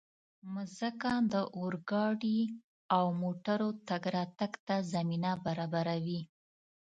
مځکه د اورګاډي او موټرو تګ راتګ ته زمینه برابروي.